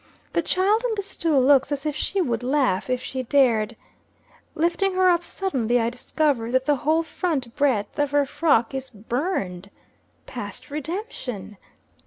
The child on the stool looks as if she would laugh, if she dared. Lifting her up suddenly, I discover that the whole front breadth of her frock is burned past redemption.